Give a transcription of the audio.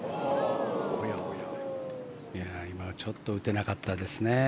今ちょっと打てなかったですね。